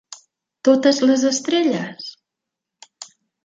Totes les estrelles?